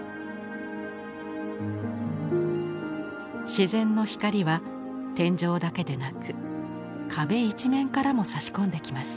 自然の光は天井だけでなく壁一面からもさし込んできます。